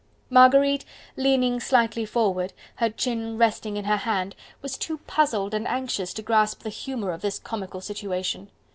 Marguerite, leaning slightly forward, her chin resting in her hand, was too puzzled and anxious to grasp the humour of this comical situation.